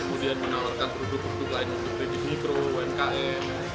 kemudian menawarkan produk produk lain untuk kredit mikro umkm